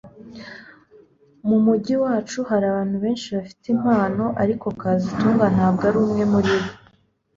Mu mujyi wacu hari abantu benshi bafite impano ariko kazitunga ntabwo ari umwe muri bo